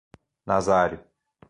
Nazário